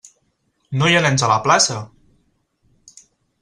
No hi ha nens a la plaça!